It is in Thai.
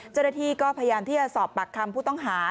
จรฐีก็พยายามที่จะสอบปากคำผู้ต้องหา